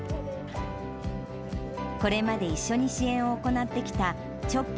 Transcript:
これまで一緒に支援を行ってきた一寸木